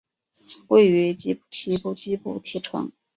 位于吉布提吉布提城。